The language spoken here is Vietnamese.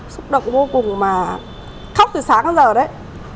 xúc động vô cùng mà thắc từ sáng đến giờ đấy